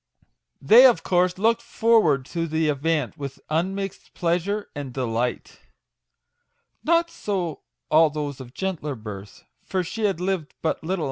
They, of course, looked forward to the event with un mixed pleasure and delight. Not so all those of gentler birth; for she had lived but little 44 MAGIC WORDS.